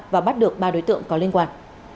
và bắt được ba đối tượng có liên quan